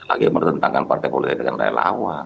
lagi merentangkan partai politik dan relawan